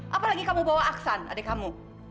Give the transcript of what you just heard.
apalagi kamu bawa aksan adik kamu